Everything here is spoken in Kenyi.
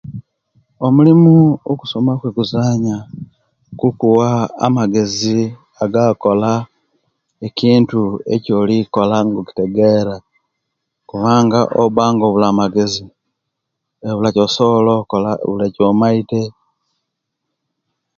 Omulimu okusoma okweguzanya gukuwa amagezi agakola kintu okyolikola nga okitegera kubanga owoba obula magezi ebula kyosobola ebula kyomaite